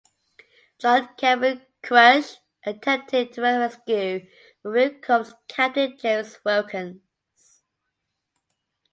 John Kelvin Koelsch attempted to rescue Marine Corps Captain James Wilkins.